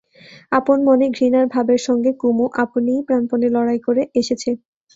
আপন মনে ঘৃণার ভাবের সঙ্গে কুমু আপনিই প্রাণপণে লড়াই করে এসেছে।